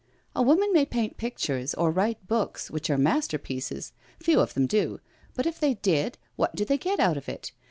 A woman may paint pictures or write books which are masterpieces— few of them do — but if they did, what do they get out of it?